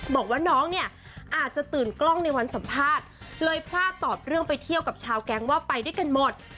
บอกว่าน้องเนี่ยอาจจะตื่นกล้องในวันสัมภาษณ์เลยพลาดตอบเรื่องไปเที่ยวกับชาวแก๊งว่าไปด้วยกันหมด